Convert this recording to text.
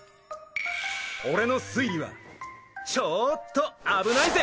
俺の推理はちょっとあぶないぜ！